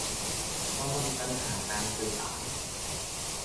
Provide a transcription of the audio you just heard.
ระวังปัญหาการสื่อสาร